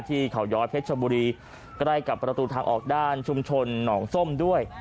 ที่เขาย้อยเพชรชบุรีใกล้กับประตูทางออกด้านชุมชนหนองส้มด้วย